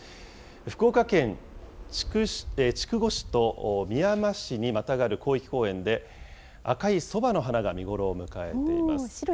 福岡県筑後市とみやま市にまたがる広域公園で、赤いソバの花が見頃を迎えています。